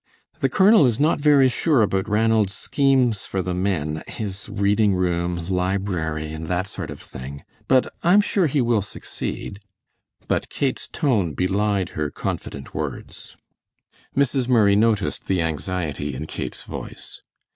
The colonel is not very sure about Ranald's schemes for the men, his reading room, library, and that sort of thing. But I'm sure he will succeed." But Kate's tone belied her confident words. Mrs. Murray noticed the anxiety in Kate's voice.